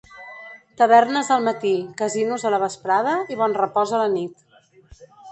Tavernes al matí, Casinos a la vesprada i Bonrepòs a la nit.